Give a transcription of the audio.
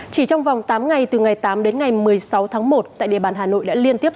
chỉ trong vòng tám ngày từ ngày tám đến ngày một mươi sáu tháng một tại địa bàn hà nội đã liên tiếp